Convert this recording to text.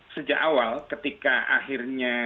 sejak awal ketika akhirnya